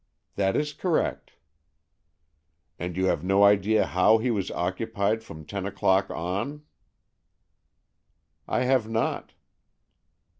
"That is correct." "And you have no idea how he was occupied from ten o'clock, on?" "I have not."